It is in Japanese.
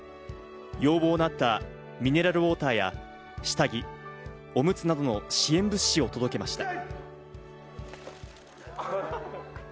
要望のあったミネラルウォーターや下着、おむつなどの支援物資を届けました。